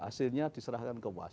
hasilnya diserahkan ke was